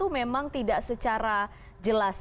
memang tidak secara jelas